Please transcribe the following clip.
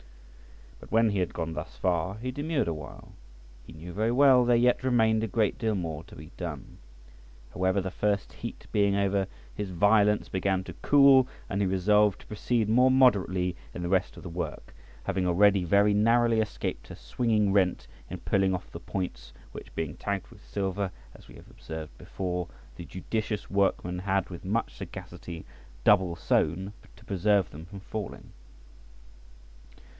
But when he had gone thus far he demurred a while. He knew very well there yet remained a great deal more to be done; however, the first heat being over, his violence began to cool, and he resolved to proceed more moderately in the rest of the work, having already very narrowly escaped a swinging rent in pulling off the points, which being tagged with silver (as we have observed before), the judicious workman had with much sagacity double sewn to preserve them from falling.